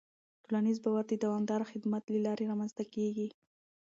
ټولنیز باور د دوامداره خدمت له لارې رامنځته کېږي.